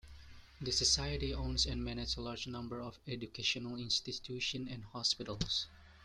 The Society owns and manages a large number of educational institutions and hospitals.